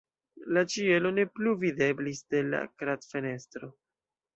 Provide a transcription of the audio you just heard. La ĉielo ne plu videblis de la kradfenestro.